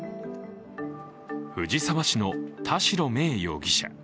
藤沢市の田代芽衣容疑者。